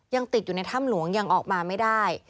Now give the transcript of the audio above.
ยังติดอยู่ในถ้ำหลวงยังออกมาไม่ได้